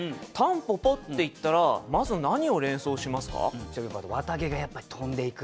蒲公英っていったらまず何を連想しますか？って